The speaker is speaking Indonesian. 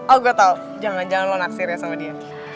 aku tau jangan jangan lo naksir ya sama dia